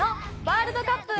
『ワールドカップ６４』！